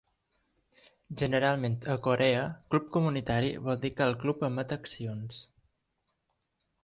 Generalment a Corea, "club comunitari" vol dir que el club emet accions.